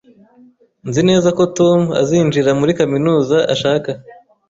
Nzi neza ko Tom azinjira muri kaminuza ashaka